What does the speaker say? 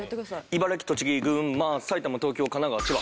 「茨城栃木群馬埼玉東京神奈川千葉」